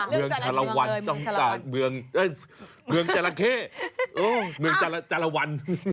เมืองจาระวันจองจากเมืองเมืองจาระเข้เมืองจาระวัน